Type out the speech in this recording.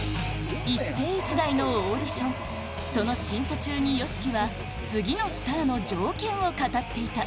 一世一代のオーディションその審査中にＹＯＳＨＩＫＩは次のスターの条件を語っていた